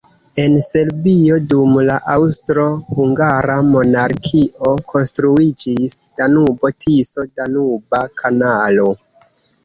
En Serbio dum la Aŭstro-Hungara Monarkio konstruiĝis Danubo-Tiso-Danuba Kanalo.